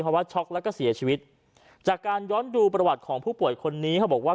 เพราะว่าช็อกแล้วก็เสียชีวิตจากการย้อนดูประวัติของผู้ป่วยคนนี้เขาบอกว่า